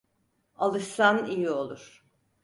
Alışsan iyi olur.